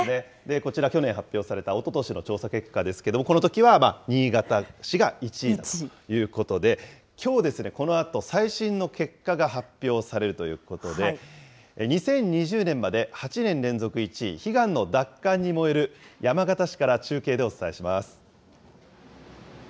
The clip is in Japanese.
こちら、去年発表されたおととしの調査結果ですけれども、このときは新潟市が１位ということで、きょうこのあと、最新の結果が発表されるということで、２０２０年まで８年連続１位、悲願の奪還に燃える山形市から中継でお伝えします。